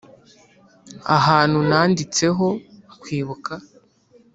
ahantu nanditseho "kwibuka."